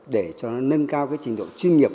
để cho nó nâng cao trình độ chuyên nghiệp